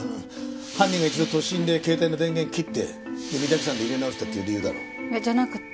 犯人が一度都心で携帯の電源を切って御岳山で入れ直したっていう理由だろう？じゃなくって。